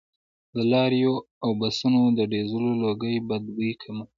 د لاریو او بسونو د ډیزلو لوګي بد بوی کوي